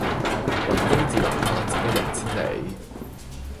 人工智能發展一日千里